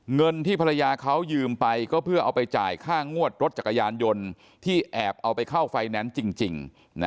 เงินที่ภรรยาเขายืมไปก็เพื่อเอาไปจ่ายค่างวดรถจักรยานยนต์ที่แอบเอาไปเข้าไฟแนนซ์จริง